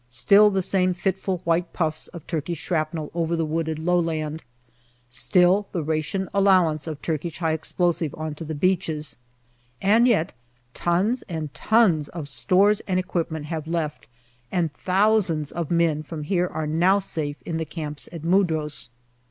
Still the same fitful white puffs of Turkish shrapnel over the wooded lowland. Still the " ration " allowance of Turkish high explosive on to the beaches. And yet tons and tons of stores and equipment have left, and thousands of men from here are now safe in the camps at Mudros.